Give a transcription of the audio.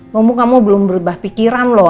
ngomong kamu belum berubah pikiran loh